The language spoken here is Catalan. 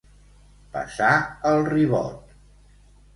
Passar el ribot.